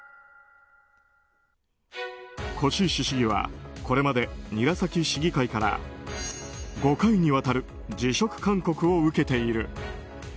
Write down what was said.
輿石市議はこれまで韮崎市議会から５回にわたる辞職勧告を受けている。